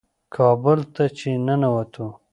کابل ته چې ننوتو.